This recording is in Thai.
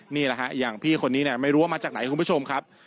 นี่แหละฮะอย่างพี่คนนี้เนี่ยไม่รู้ว่ามาจากไหนคุณผู้ชมครับ